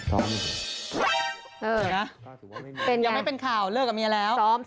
เออยังไงยังไม่เป็นข่าวเลิกกับเมียแล้วเป็นไง